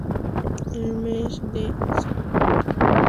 El mes siguiente en "Sacrifice", Ink Inc.